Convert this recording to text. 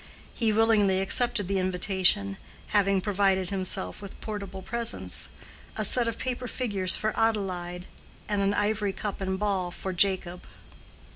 He willingly accepted the invitation, having provided himself with portable presents; a set of paper figures for Adelaide, and an ivory cup and ball for Jacob.